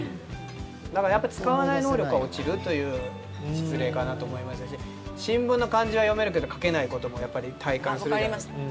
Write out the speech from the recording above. だから使わない能力は落ちるという実例かなと思いますし新聞の漢字は読めるけど書けないことも体感するじゃないですか。